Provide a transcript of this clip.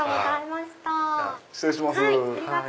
失礼します。